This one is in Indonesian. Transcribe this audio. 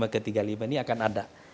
dua puluh lima ke tiga puluh lima ini akan ada